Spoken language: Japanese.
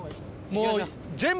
もう。